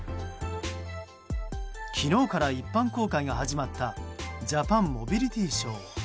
昨日から一般公開が始まった「ジャパンモビリティショー」。